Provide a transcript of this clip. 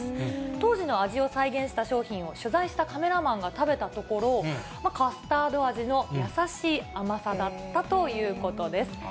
当時の味を再現した商品を取材したカメラマンが食べたところ、カスタード味の優しい甘さだったということです。